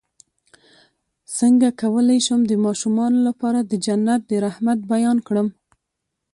څنګه کولی شم د ماشومانو لپاره د جنت د رحمت بیان کړم